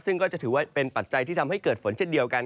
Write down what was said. ซึ่งก็จะถือว่าเป็นปัจจัยที่ทำให้เกิดฝนเช่นเดียวกัน